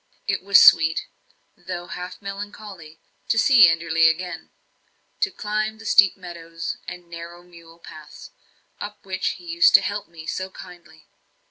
It was sweet, though half melancholy, to see Enderley again; to climb the steep meadows and narrow mule paths, up which he used to help me so kindly.